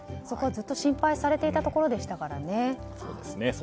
そこはずっと心配されていたところでしたからね。